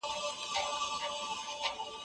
بې پای کار زیانمن دی.